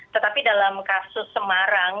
tetapi dalam kasus semarang